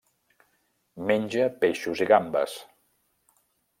Menja peixos i gambes.